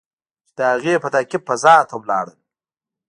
چې د هغې په تعقیب فضا ته لاړل.